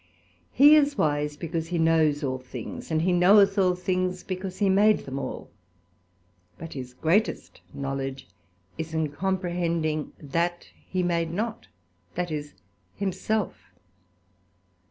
He is wise, because he knows all things; and he knoweth all things, because he made them all: but his greatest knowledge is in comprehending that he made not, that is, himself.